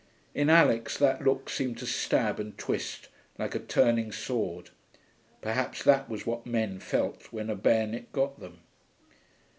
In Alix that look seemed to stab and twist, like a turning sword. Perhaps that was what men felt when a bayonet got them....